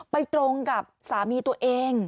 ตรงกับสามีตัวเอง